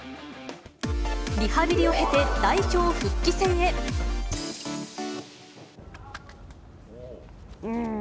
リハビリを経て、代表復帰戦うーん。